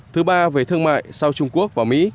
thứ ba về thương mại sau trung quốc và mỹ